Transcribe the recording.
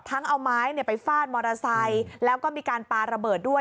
เอาไม้ไปฟาดมอเตอร์ไซค์แล้วก็มีการปาระเบิดด้วย